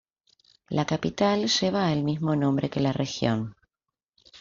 La capital lleva el mismo nombre que la región.